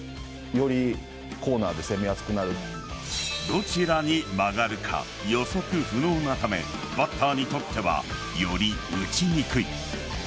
どちらに曲がるか予測不能なためバッターにとってはより打ちにくい。